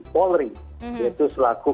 polri yaitu selaku